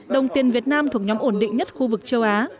đồng tiền việt nam thuộc nhóm ổn định nhất khu vực châu á